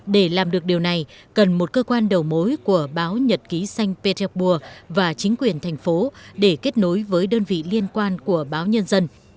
để làm được điều này cần một cơ quan đầu mối của báo nhật ký sành pê tec pua và chính quyền thành phố để kết nối với đơn vị liên quan của báo nhân dân